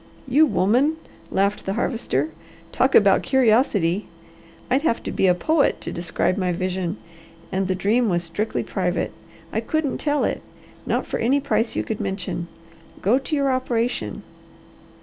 "You woman!" laughed the Harvester. "Talk about curiosity! I'd have to be a poet to describe my vision, and the dream was strictly private. I couldn't tell it, not for any price you could mention. Go to your operation."